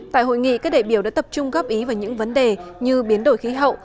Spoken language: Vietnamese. tại hội nghị các đại biểu đã tập trung góp ý vào những vấn đề như biến đổi khí hậu